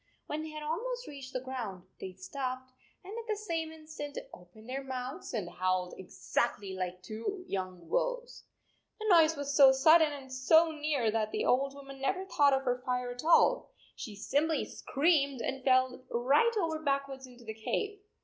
When they had almost reached the ground, they stopped, and at the same instant opened their mouths and howled exactly like two young wolves ! The noise was so sudden and so near 8 that the old woman never thought of her fire at all. She simply screamed and fell right over backwards into the cave.